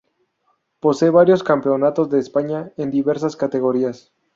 Posee varios campeonatos de España en diversas categorías.